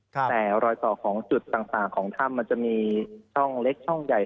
แต่รอยต่อของจุดต่างของถ้ำมันจะมีช่องเล็กช่องใหญ่